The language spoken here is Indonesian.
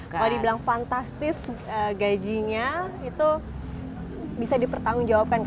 kalau dibilang fantastis gajinya itu bisa dipertanggungjawabkan